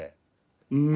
うん。